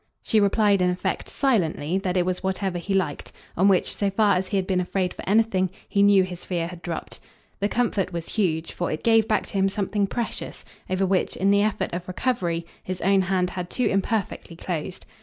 She replied in effect, silently, that it was whatever he liked; on which, so far as he had been afraid for anything, he knew his fear had dropped. The comfort was huge, for it gave back to him something precious, over which, in the effort of recovery, his own hand had too imperfectly closed.